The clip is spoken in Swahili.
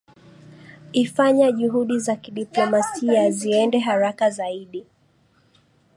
ifanya juhudi za kidiplomasia ziende haraka zaidi